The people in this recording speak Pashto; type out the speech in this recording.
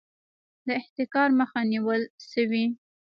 د احتکار مخه نیول شوې؟